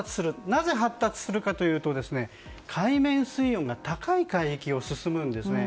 なぜ発達するかというと海面水温が高い海域を進むんですね。